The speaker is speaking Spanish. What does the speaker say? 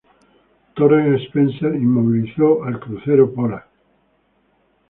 Torrens-Spence, inmovilizó al crucero "Pola".